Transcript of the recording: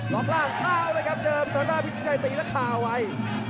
รอบร่างเต้าเลยครับเจอตัวหน้าพี่ชิคชัยตีและค่าเอาไว้